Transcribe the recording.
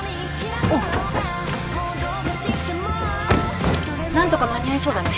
おっ何とか間に合いそうだね